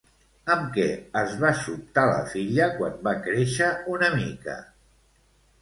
Amb què es va sobtar la filla quan va créixer una mica?